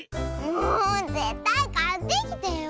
もうぜったいかってきてよ。